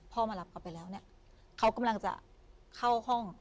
พ่อมารับกลับไปแล้วเขากำลังจะเข้าห้อง